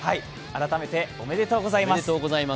改めておめでとうございます。